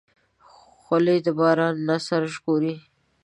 خولۍ د باران نه سر ژغوري.